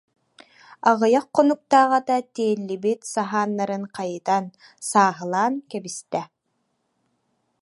Аҕыйах хонуктааҕыта тиэллибит саһааннарын хайытан, сааһылаан кэбистэ.